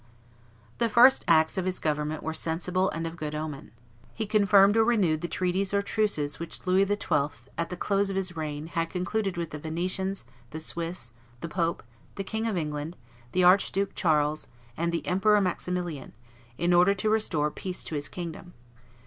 The first acts of his government were sensible and of good omen. He confirmed or renewed the treaties or truces which Louis XII., at the close of his reign, had concluded with the Venetians, the Swiss, the pope, the King of England, the Archduke Charles, and the Emperor Maximilian, in order to restore peace to his kingdom.